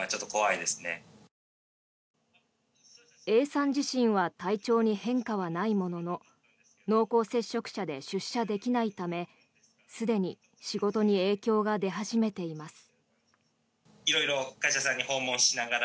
Ａさん自身は体調に変化はないものの濃厚接触者で出社できないためすでに仕事に影響が出始めています。